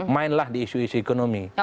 mainlah di isu isu ekonomi